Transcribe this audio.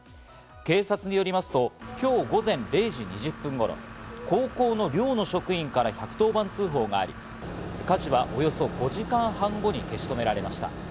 警察によりますと今日午前０時２０分頃、高校の寮の職員から１１０番通報があり、火事はおよそ５時間半後に消し止められました。